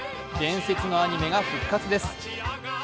伝説のアニメが復活です。